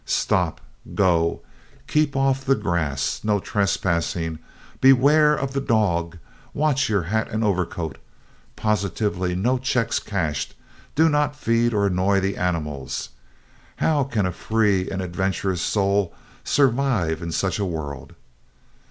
"Stop," "Go," "Keep Off the Grass," "No Trespassing," "Beware of the Dog," "Watch Your Hat and Overcoat," "Positively No Checks Cashed," "Do Not Feed or Annoy the Animals" how can a free and adventurous soul survive in such a world?